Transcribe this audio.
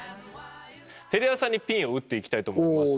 テレ朝にピンを打っていきたいと思います。